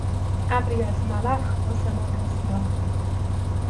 ابری از ملخ آسمان را سیاه کرد.